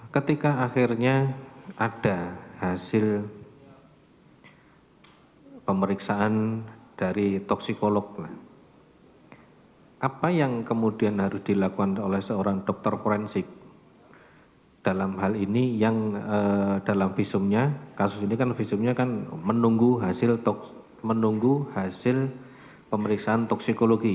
ketika akhirnya ada hasil pemeriksaan dari toksikolog apa yang kemudian harus dilakukan oleh seorang dokter forensik dalam hal ini yang dalam visumnya kasus ini kan visumnya kan menunggu hasil pemeriksaan toksikologi